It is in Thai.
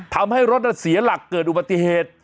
ทำให้รถเสียหลักเกิดอุบัติเหตุ